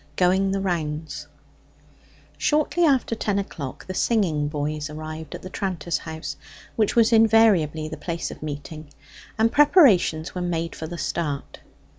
GOING THE ROUNDS Shortly after ten o'clock the singing boys arrived at the tranter's house, which was invariably the place of meeting, and preparations were made for the start.